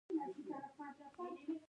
د غزني ستوري ماڼۍ هندي مرمر لري